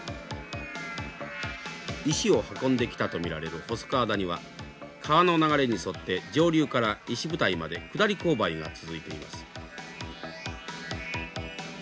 石を運んできたと見られる細川谷は川の流れに沿って上流から石舞台まで下り勾配が続いています。